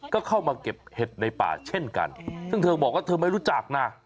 ก็เข้ามาเก็บเห็ดในป่าเช่นกันซึ่งเธอบอกว่าเธอไม่รู้จักนะ